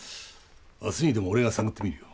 明日にでも俺が探ってみるよ。